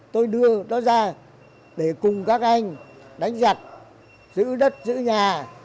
tôi đưa nó ra để cùng các anh đánh giặt giữ đất giữ nhà